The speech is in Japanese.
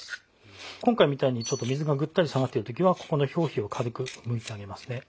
今回みたいにちょっとぐったり下がってる時はここの表皮を軽くむいてあげますね。